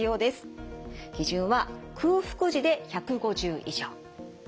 基準は空腹時で１５０以上。